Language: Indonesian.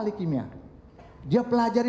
ahli kimia dia pelajari